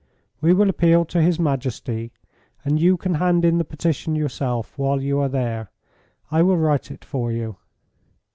"We will appeal to His Majesty, and you can hand in the petition yourself while you are here. I will write it for you."